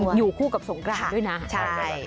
อยู่คู่กับสงกรานด้วยนะใช่